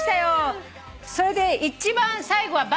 それで一番最後はバスで。